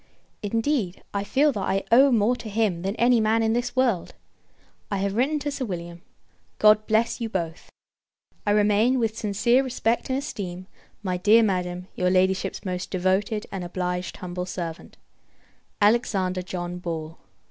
Indeed, I feel, that I owe more to him than any man in this world. I have written to Sir William; God bless you both! I remain, with sincere respect and esteem, my dear Madam, your Ladyship's most devoted and obliged humble servant, ALEXANDER JOHN BALL.